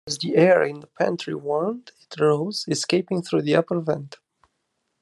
As the air in the pantry warmed, it rose, escaping through the upper vent.